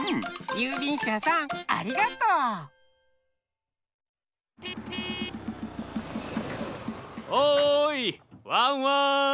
ゆうびんしゃさんありがとう！おいワンワーン！